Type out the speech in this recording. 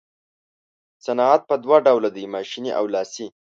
صنعت په دوه ډوله دی ماشیني او لاسي.